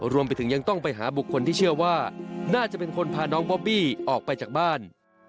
รวมไปถึงยังต้องไปหาบุคคลที่เชื่อว่าน่าจะเป็นคนพาน้องบอบบี้ออกไปจากบ้าน